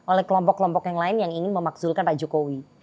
oleh kelompok kelompok yang lain yang ingin memakzulkan rajukowi